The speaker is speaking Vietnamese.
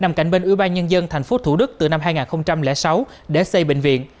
nằm cạnh bên ủy ban nhân dân tp thủ đức từ năm hai nghìn sáu để xây bệnh viện